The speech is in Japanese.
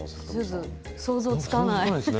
想像がつかない。